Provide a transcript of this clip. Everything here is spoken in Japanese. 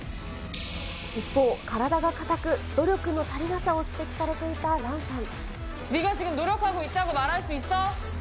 一方、体が硬く、努力の足りなさを指摘されていたランさん。